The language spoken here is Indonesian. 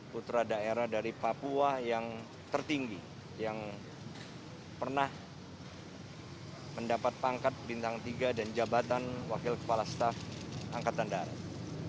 putra daerah dari papua yang tertinggi yang pernah mendapat pangkat bintang tiga dan jabatan wakil kepala staf angkatan darat